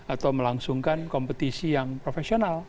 atau melangsungkan kompetisi yang profesional